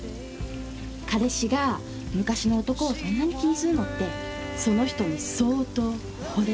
彼氏が昔の男をそんなに気にするのってその人に相当ほれてるってことです。